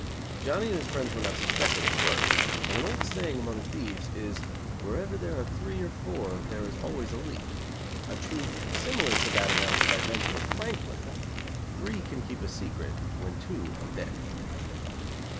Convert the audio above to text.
Johnny and his friends were not suspected at first, but an old saying among thieves is, "wherever there are three or four there is always a leak," a truth similar to that announced by Benjamin Franklin: "Three can keep a secret when two are dead."